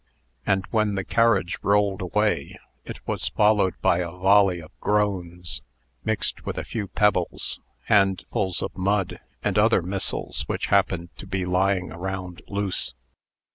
And when the carriage rolled away, it was followed by a volley of groans, mixed with a few pebbles, handfuls of mud, and other missiles which happened to be lying around loose.